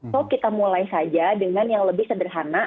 so kita mulai saja dengan yang lebih sederhana